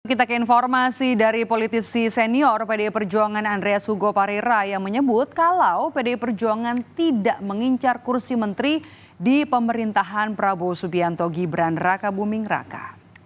kita ke informasi dari politisi senior pdi perjuangan andreas hugo parira yang menyebut kalau pdi perjuangan tidak mengincar kursi menteri di pemerintahan prabowo subianto gibran raka buming raka